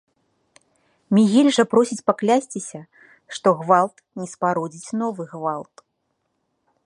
Мігель жа просіць паклясціся, што гвалт не спародзіць новы гвалт.